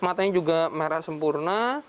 matanya juga merah sempurna